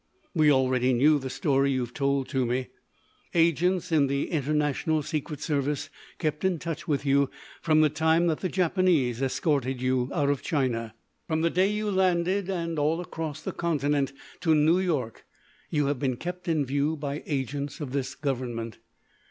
"We already knew the story you have told to me. Agents in the International Secret Service kept in touch with you from the time that the Japanese escorted you out of China. "From the day you landed, and all across the Continent to New York, you have been kept in view by agents of this government.